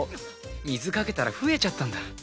水かけたら増えちゃったんだ。